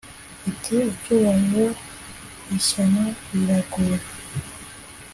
iti"cyubahiro ishyano riraguye